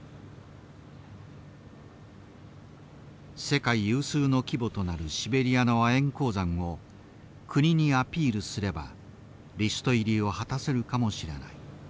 世界有数の規模となるシベリアの亜鉛鉱山を国にアピールすればリスト入りを果たせるかもしれない。